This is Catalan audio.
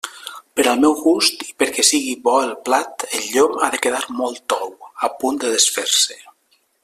Per al meu gust i perquè sigui bo el plat, el llom ha de quedar molt tou, a punt de desfer-se.